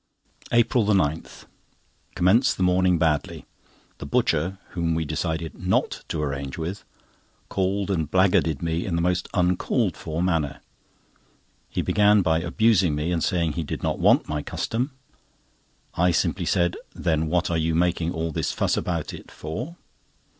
APRIL 9.—Commenced the morning badly. The butcher, whom we decided not to arrange with, called and blackguarded me in the most uncalled for manner. He began by abusing me, and saying he did not want my custom. I simply said: "Then what are you making all this fuss about it for?"